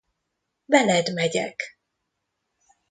Veled megyek!